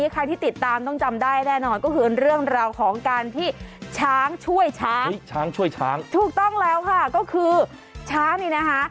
กำลังใจ